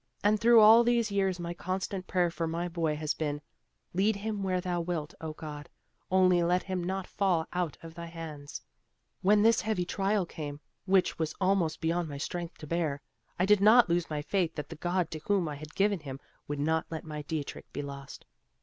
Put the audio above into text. And through all these years my constant prayer for my boy has been, 'Lead him where Thou wilt, Oh God, only let him not fall out of Thy hands; When this heavy trial came, which was almost beyond my strength to bear, I did not lose my faith that the God to whom I had given him, would not let my Dieterich be lost.